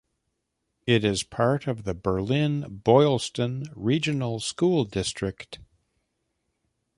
It is part of the Berlin-Boylston Regional School District.